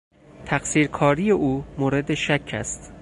تقصیرکاری او مورد شک است.